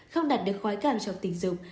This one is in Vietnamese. không đạt được khoái cảm trong tình dục